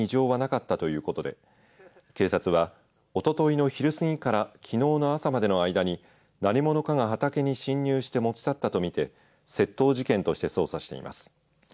おとといの昼に農作業を終えた際には畑に異常はなかったということで警察は、おとといの昼過ぎからきのうの朝までの間に何者かが畑に侵入して持ち去ったと見て窃盗事件として捜査しています。